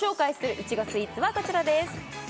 いちごスイーツはこちらです